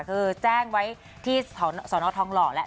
คือแจ้งไว้ที่สอนอทองหล่อแล้ว